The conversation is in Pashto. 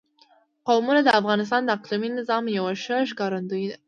قومونه د افغانستان د اقلیمي نظام یوه ښه ښکارندوی ده.